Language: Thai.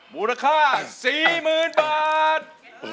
บูรค่า๔๐๐๐๐บาท